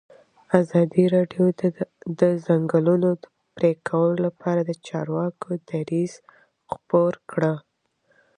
ازادي راډیو د د ځنګلونو پرېکول لپاره د چارواکو دریځ خپور کړی.